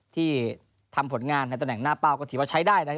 ที่ทำผลงานในตำแหน่งหน้าเป้าก็ถือว่าใช้ได้นะครับ